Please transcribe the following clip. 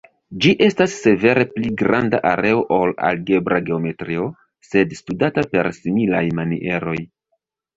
Ĝi estas severe pli granda areo ol algebra geometrio, sed studata per similaj manieroj.